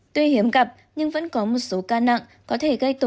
tuy hiếm gặp nhưng vẫn có một số ca nặng có thể gây tổn